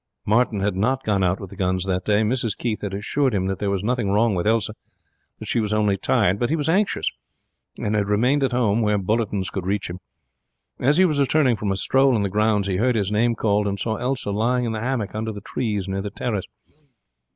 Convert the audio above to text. Martin had not gone out with the guns that day. Mrs Keith had assured him that there was nothing wrong with Elsa, that she was only tired, but he was anxious, and had remained at home, where bulletins could reach him. As he was returning from a stroll in the grounds he heard his name called, and saw Elsa lying in the hammock under the trees near the terrace.